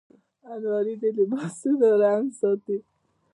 الماري د لباسونو رنګ ساتي